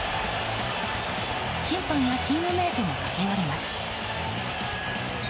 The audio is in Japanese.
審判やチームメートが駆け寄ります。